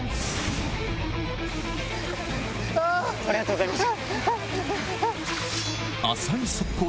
ありがとうございます。